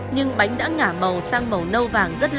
nhưng bánh đã ngả màu sang màu nâu vàng rất lớn